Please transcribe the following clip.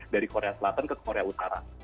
dari korea selatan ke korea utara